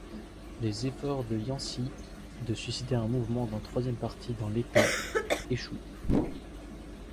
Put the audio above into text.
Les efforts de Yancey de susciter un mouvement d’un troisième parti dans l'État échouent.